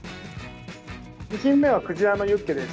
２品目はクジラのユッケです。